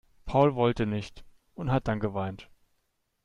Paul wollte nicht und hat dann geweint.